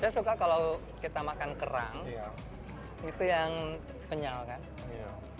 saya suka kalau kita makan kerang itu yang kenyal kan